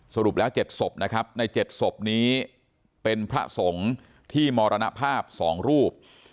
สรุปแล้ว๗ศพนะครับใน๗ศพนี้เป็นพระสงฆ์ที่มรณภาพ๒รูป